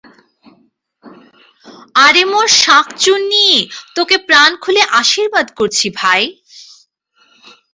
আরে মোর শাঁকচুন্নী, তোকে প্রাণ খুলে আশীর্বাদ করছি ভাই।